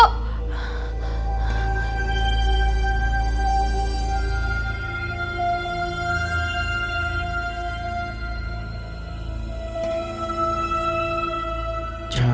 jangan takut bunga